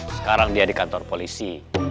sekarang dia di kantor polisi